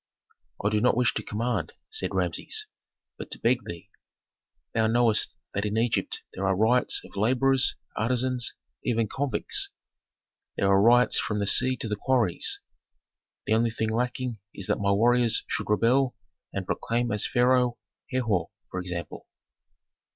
"I do not wish to command," said Rameses, "but to beg thee. Thou knowest that in Egypt there are riots of laborers, artisans, even convicts. There are riots from the sea to the quarries. The only thing lacking is that my warriors should rebel and proclaim as pharaoh Herhor, for example."